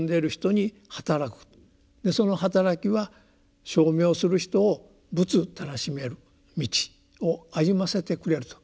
その働きは称名する人を仏たらしめる道を歩ませてくれると。